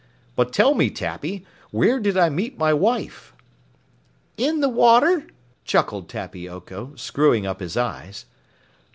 But tell me, Tappy, where did I meet my wife?" "In the water!" chuckled Tappy Oko, screwing up his eyes.